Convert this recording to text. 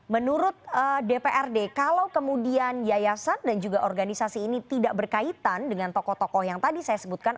menurut dprd kalau kemudian yayasan dan juga organisasi ini tidak berkaitan dengan tokoh tokoh yang tadi saya sebutkan